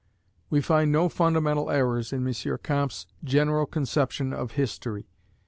We find no fundamental errors in M. Comte's general conception of history.